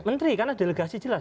menteri karena delegasi jelas